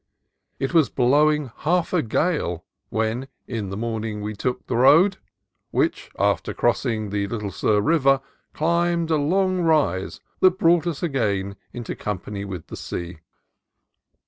It was blowing half a gale when in the morning we took the road, which, after crossing the Little Sur River, climbed a long rise that brought us again into com pany with the sea.